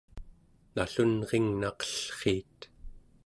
nallunringnaqellriit